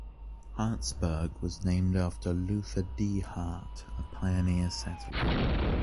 Hartsburg was named for Luther D. Hart, a pioneer settler.